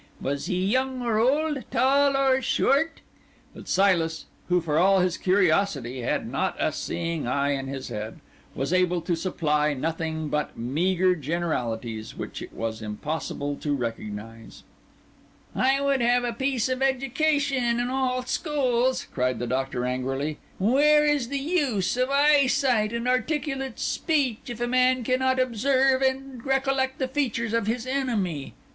Was he young or old? tall or short?" But Silas, who, for all his curiosity, had not a seeing eye in his head, was able to supply nothing but meagre generalities, which it was impossible to recognise. "I would have it a piece of education in all schools!" cried the Doctor angrily. "Where is the use of eyesight and articulate speech if a man cannot observe and recollect the features of his enemy?